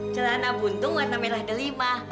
celana buntung warna merah delima